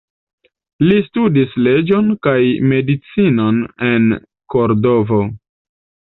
Li studis leĝon kaj medicinon en Kordovo.